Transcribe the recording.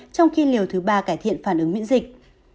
trong khi liều thứ ba cải thiện phản ứng miễn dịch